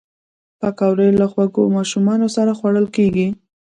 پکورې له خوږو ماشومانو سره خوړل کېږي